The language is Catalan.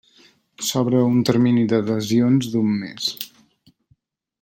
S'obre un termini d'adhesions d'un mes.